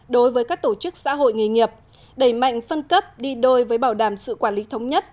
đối với các tổ chức xã hội nghề nghiệp đẩy mạnh phân cấp đi đôi với bảo đảm sự quản lý thống nhất